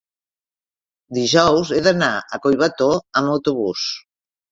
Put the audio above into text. dijous he d'anar a Collbató amb autobús.